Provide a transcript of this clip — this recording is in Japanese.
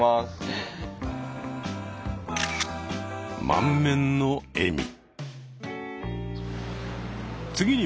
満面の笑み。